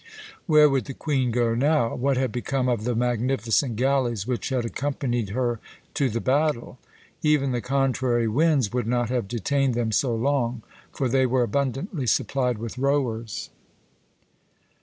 Where would the Queen go now? What had become of the magnificent galleys which had accompanied her to the battle? Even the contrary winds would not have detained them so long, for they were abundantly supplied with rowers.